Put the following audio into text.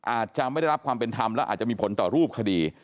อาจจะไม่ได้รับความเป็นธรรมและอาจจะมีผลต่อรูปคดี